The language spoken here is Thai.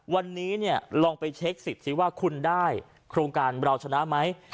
วันนี้ลองไปเช็คสิทธิ์สิว่าคุณได้โครงการเราชนะไหม